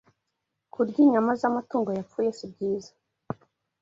kurya inyama z’amatungo yapfuye sibyiza